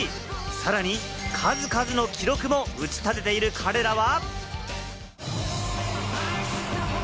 さらに数々の記録も打ち立てている彼らは。